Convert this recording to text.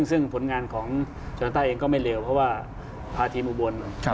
ซึ่งผลงานของชาวใต้เองก็ไม่เร็วเพราะว่าพาทีมอุบล